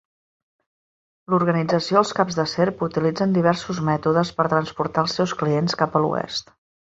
L'Organització els Caps de Serp utilitzen diversos mètodes per transportar els seus clients cap a l'oest.